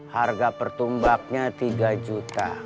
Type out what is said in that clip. harga per tumbaknya tiga juta